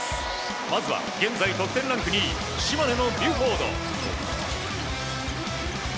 まずは現在得点ランキング２位島根のビュフォード。